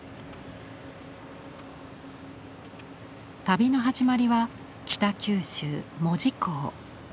旅の始まりは北九州門司港。